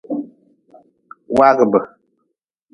Waagʼbe.